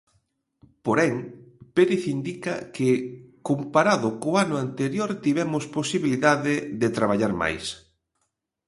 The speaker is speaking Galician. Porén, Pérez indica que "comparado co ano anterior tivemos posibilidade de traballar máis".